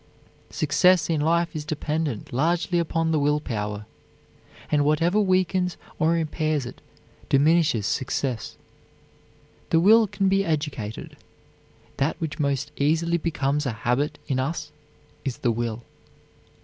Success in life is dependent largely upon the will power, and whatever weakens or impairs it diminishes success. The will can be educated. That which most easily becomes a habit in us is the will.